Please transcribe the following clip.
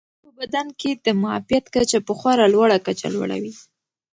انار په بدن کې د معافیت کچه په خورا لوړه کچه لوړوي.